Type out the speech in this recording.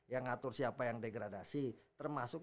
yang ngatur siapa yang degradasi termasuk